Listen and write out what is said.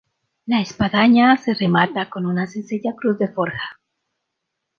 La espadaña se remata con una sencilla cruz de forja.